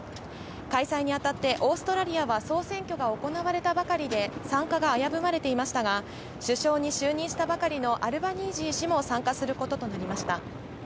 開催にあたってオーストラリアは総選挙が行われたばかりで、参加が危ぶまれていましたが、首相に就任したばかりのアルバニージー氏も参加することとなりました。